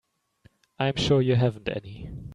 I'm sure you haven't any.